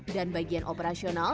dan bagian operasional